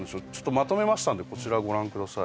まとめましたんでこちらご覧ください